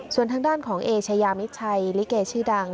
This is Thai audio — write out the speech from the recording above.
ส่วนทางด้านของเอชายามิดชัยลิเกชื่อดัง